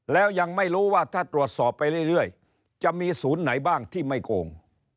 แล้วยังไม่รู้ว่าถ้าตรวจสอบไปเรื่อยจะมีศูนย์ไหนบ้างที่ไม่โกง